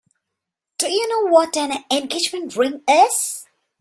Do you know what an engagement ring is?